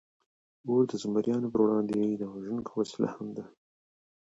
اور د زمریانو پر وړاندې وژونکې وسله هم ده.